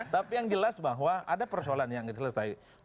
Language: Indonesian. tapi yang jelas bahwa ada persoalan yang diselesaikan